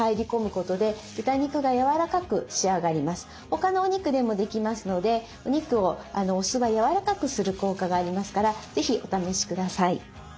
他のお肉でもできますのでお肉をお酢はやわらかくする効果がありますから是非お試しください。